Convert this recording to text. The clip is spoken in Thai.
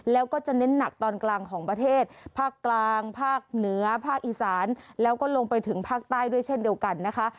แล้วก็จะเน้นหนักตอนกลางของประเทศภาคกลางภาคเหนือภาคอีสานแล้วก็ลงไปถึงภาคใต้ด้วยเช่นเดียวกันนะคะ